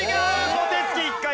お手つき１回目。